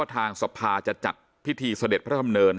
ทางสภาจะจัดพิธีเสด็จพระดำเนิน